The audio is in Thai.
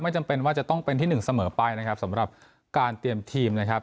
จำเป็นว่าจะต้องเป็นที่หนึ่งเสมอไปนะครับสำหรับการเตรียมทีมนะครับ